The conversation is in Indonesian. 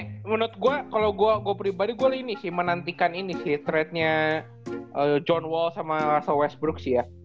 nih menurut gue kalo gue pribadi gue ini sih menantikan ini sih trade nya john wall sama russell westbrook sih ya